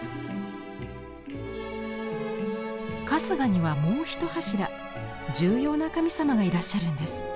春日にはもう１柱重要な神様がいらっしゃるんです。